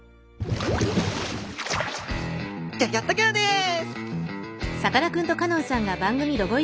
ギョギョッと号です！